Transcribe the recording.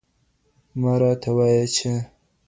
مه راته وايه چي